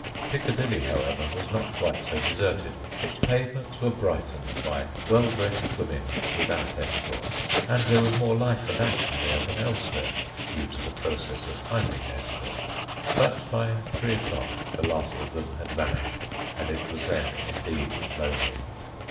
Piccadilly, however, was not quite so deserted. Its pavements were brightened by well dressed women without escort, and there was more life and action there than elsewhere, due to the process of finding escort. But by three o'clock the last of them had vanished, and it was then indeed lonely.